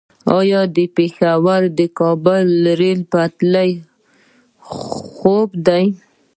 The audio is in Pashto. آیا د پیښور - کابل ریل پټلۍ خوب دی؟